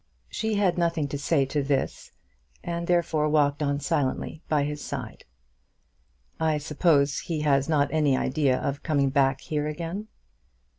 She had nothing to say to this, and therefore walked on silently by his side. "I suppose he has not any idea of coming back here again?"